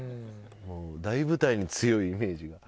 大舞台に強いイメージが。